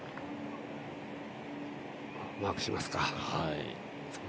マークしますか。